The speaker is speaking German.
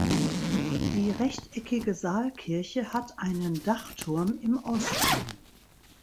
Die rechteckige Saalkirche hat einen Dachturm im Osten.